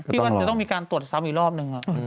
พี่วันจะต้องมีการตรวจสำอีกรอบนึง